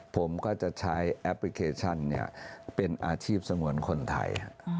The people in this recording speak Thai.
ผมก็จะใช้แอปพลิเคชันเป็นอาชีพสงวนคนไทย